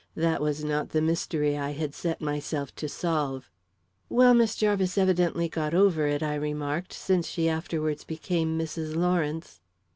That was not the mystery I had set myself to solve. "Well, Miss Jarvis evidently got over it," I remarked, "since she afterwards became Mrs. Lawrence."